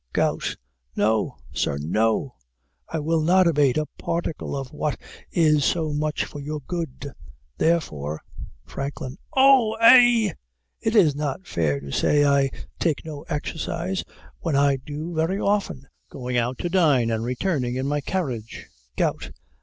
GOUT. No, Sir, no, I will not abate a particle of what is so much for your good, therefore FRANKLIN. Oh! ehhh! It is not fair to say I take no exercise, when I do very often, going out to dine and returning in my carriage. GOUT.